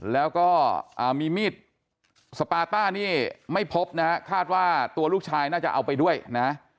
แล้วก็มีมีดสปาต้านี่ไม่พบนะฮะคาดว่าตัวลูกชายน่าจะเอาไปด้วยนะ